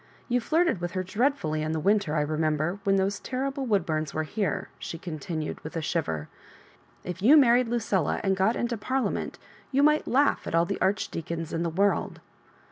You flirted with her dreadfully in the winter, I remember, when those terrible Woodbums were here," she continued, with a shiver. "If you married Lucilla and got into Parliament, you might laugh at all the arch deacons in the world.